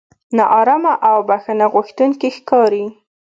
نا ارامه او بښنه غوښتونکي ښکاري.